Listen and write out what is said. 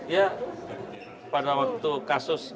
ya pada waktu kasus